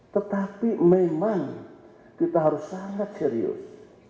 tetapi memang kita harus sangat serius